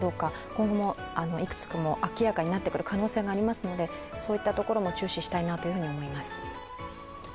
今後もいくつも明らかになっていく可能性がありますのでそういったところも注視したいなと思います。